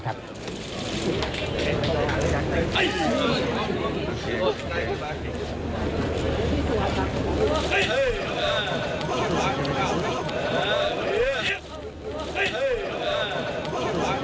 ขอบคุณครับ